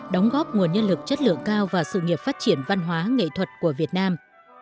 đóng góp nguồn nhân lực chất lượng cao và sự nghiệp phát triển văn hóa nghệ thuật của việt nam